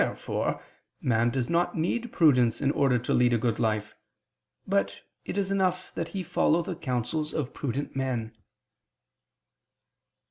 Therefore man does not need prudence in order to lead a good life, but it is enough that he follow the counsels of prudent men.